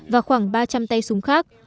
và khoảng ba trăm linh tay súng khác